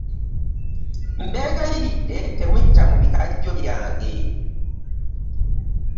Tibeegayiridde temuyita mu bikajjo byange.